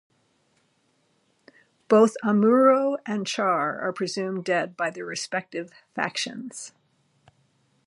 Both Amuro and Char are presumed dead by their respective factions.